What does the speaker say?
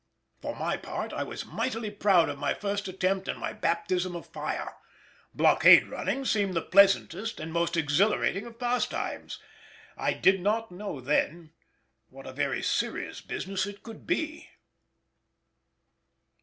For my part, I was mightily proud of my first attempt and my baptism of fire. Blockade running seemed the pleasantest and most exhilarating of pastimes. I did not know then what a very serious business it could be.